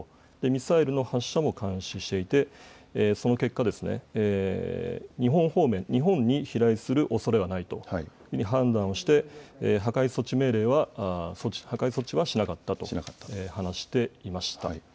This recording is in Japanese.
ミサイルの発射も監視していて、その結果、日本方面、日本に飛来するおそれはないというふうに判断をして、破壊措置はしなかったと話していました。